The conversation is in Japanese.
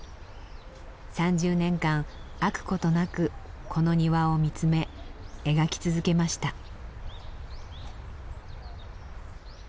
３０年間飽くことなくこの庭を見つめ描き続けました。